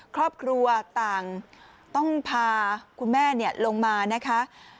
ครอบครัวต่างต้องพาคุณแม่ลงมานะคะ